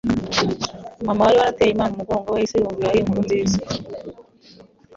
Mama wari warateye Imana umugongo yahise yumva iyo ari inkuru nziza